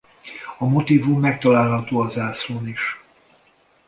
A motívum megtalálható a zászlón is.